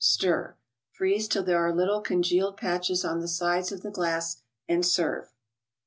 Stir. Freeze till there are little congealed patches on the sides of the glass, and serve.